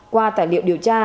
qua tài liệu điều tra